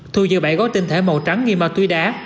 thu dự bãi gói tinh thể màu trắng nghi ma túy đá